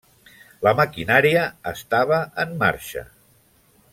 La maquinària estava en marxa.